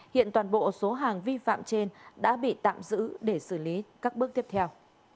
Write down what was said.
hiện toàn bộ số hàng vi phạm trên đã bị tạm giữ để xử lý các bước tiếp theo